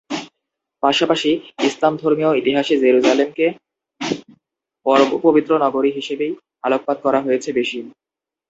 পাশাপাশি ইসলাম ধর্মীয় ইতিহাসে জেরুসালেমকে পবিত্র নগরী হিসেবেই আলোকপাত করা হয়েছে বেশি।